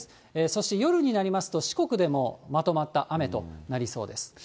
そして夜になりますと、四国でもまとまった雨となりそうです。